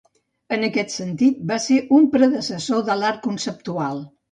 En aquest sentit, va ser un predecessor de l'art conceptual.